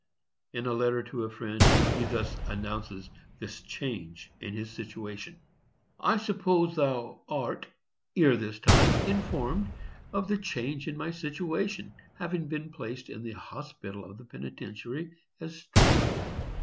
In a letter to a friend he thus announces this change in his situation: I suppose thou art, ere this time, informed of the change in my situation, having been placed in the hospital of the penitentiary as steward....